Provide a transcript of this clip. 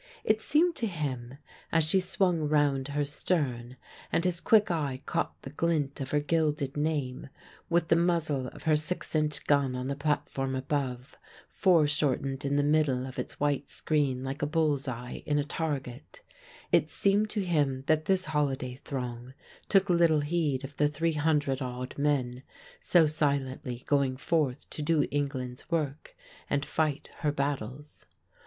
It seemed to him as she swung round her stern and his quick eye caught the glint of her gilded name with the muzzle of her six inch gun on the platform above, foreshortened in the middle of its white screen like a bull's eye in a target it seemed to him that this holiday throng took little heed of the three hundred odd men so silently going forth to do England's work and fight her battles.